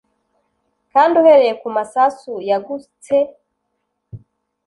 kandi uhereye kumasasu yagutse